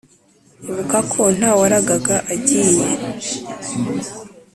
ibuka ko nta waragaga agiye